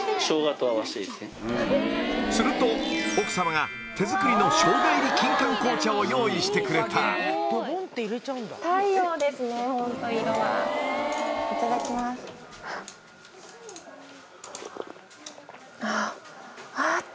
すると奥様が手作りのを用意してくれたあぁ。